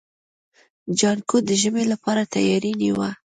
جانکو د ژمي لپاره تياری نيوه.